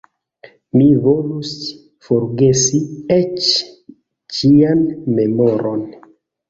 Mi volus forgesi eĉ ĝian memoron.